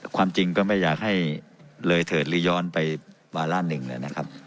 ความจริงก็ไม่อยากให้เลยเถิดหรือย้อนไปวาระหนึ่งเลยนะครับ